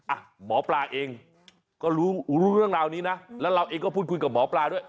อ่ะหมอปลาเองก็รู้รู้เรื่องราวนี้นะแล้วเราเองก็พูดคุยกับหมอปลาด้วย